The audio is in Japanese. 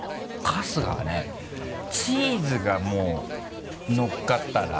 春日はねチーズがもうのっかったら。